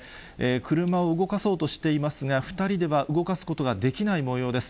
車を動かそうとしていますが、２人では動かすことができないもようです。